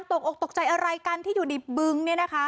ตกออกตกใจอะไรกันที่อยู่ในบึงเนี่ยนะคะ